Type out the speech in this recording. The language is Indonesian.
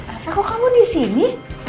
asal kau kau disini